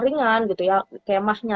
ringan gitu ya kayak mahnya